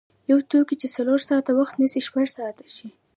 یو توکی چې څلور ساعته وخت نیسي شپږ ساعته شي.